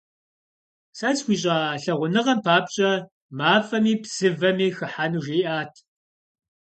Сэ схуищӏа лъагъуныгъэм папщӏэ мафӏэми псывэми хыхьэну жиӏат…